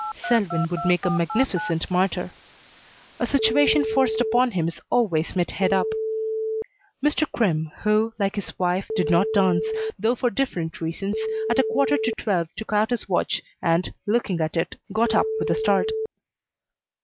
Selwyn would make a magnificent martyr. A situation forced upon him is always met head up. Mr. Crimm, who, like his wife, did not dance, though for different reasons, at a quarter to twelve took out his watch and, looking at it, got up with a start.